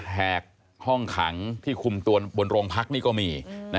แหกห้องขังที่คุมตัวบนโรงพักนี่ก็มี